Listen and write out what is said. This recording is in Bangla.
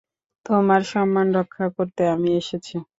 তোমার সম্মান রক্ষা করতে আমি এসেছি।